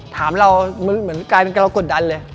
ถามเราเหมือนกลายเป็นการเรากดดันเลย